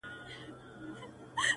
پيل كي وړه كيسه وه غـم نه وو~